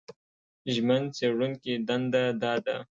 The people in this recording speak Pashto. ژمن څېړونکي دنده دا ده